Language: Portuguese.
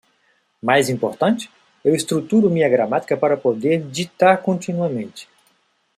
Mais importante, eu estruturo minha gramática para poder ditar continuamente.